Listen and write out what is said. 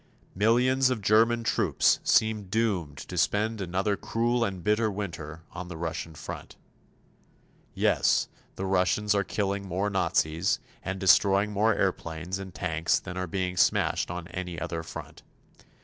Millions of German troops seem doomed to spend another cruel and bitter winter on the Russian front. Yes, the Russians are killing more Nazis, and destroying more airplanes and tanks than are being smashed on any other front.